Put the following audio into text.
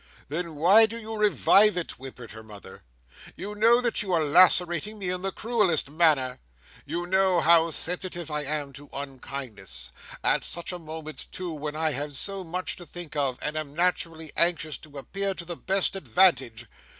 "Then why do you revive it?" whimpered her mother. "You know that you are lacerating me in the cruellest manner. You know how sensitive I am to unkindness. At such a moment, too, when I have so much to think of, and am naturally anxious to appear to the best advantage!